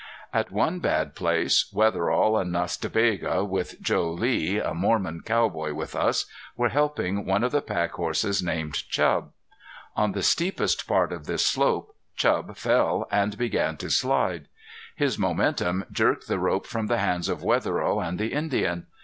IN IT LIES THE RUINED CLIFF DWELLING CALLED BETATAKIN] At one bad place Wetherill and Nas ta Bega, with Joe Lee, a Mormon cowboy with us, were helping one of the pack horses named Chub. On the steepest part of this slope Chub fell and began to slide. His momentum jerked the rope from the hands of Wetherill and the Indian.